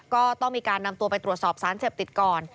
ก็ต้องมีการนำตัวไปตรวจสอบสารเสพติดก่อน